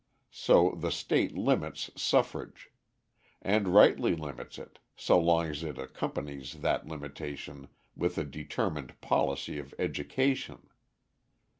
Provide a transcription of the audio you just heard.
So the state limits suffrage; and rightly limits it, so long as it accompanies that limitation with a determined policy of education.